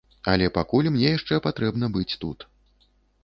Але пакуль мне яшчэ патрэбна быць тут.